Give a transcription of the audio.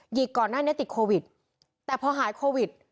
ก่อนหน้านี้ติดโควิดแต่พอหายโควิด